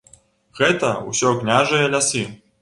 Гэта ўсё княжыя лясы.